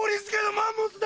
マンモスだ！